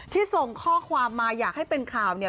ส่งข้อความมาอยากให้เป็นข่าวเนี่ย